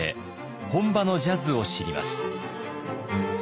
本場のジャズを知ります。